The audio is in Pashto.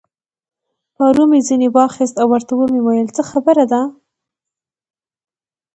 پارو مې ځینې واخیست او ورته مې وویل: څه خبره ده؟